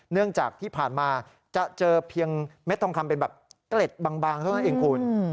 เนื่องจากที่ผ่านมาจะเจอเพียงเม็ดทองคำเป็นแบบเกล็ดบางเท่านั้นเองคุณ